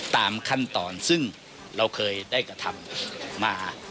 ตามขั้นตอนซึ่งเราเคยได้กระทำมา